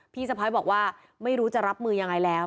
พี่สะพ้ายบอกว่าไม่รู้จะรับมือยังไงแล้ว